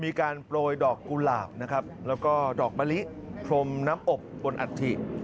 มีการโปรยดอกกุหลาบนะครับแล้วก็ดอกมะลิพรมน้ำอบบนอัฐิ